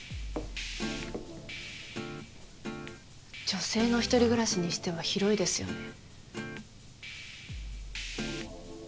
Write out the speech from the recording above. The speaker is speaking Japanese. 女性のひとり暮らしにしては広いですよね。